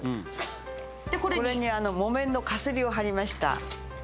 これに木綿のかすりを張りました。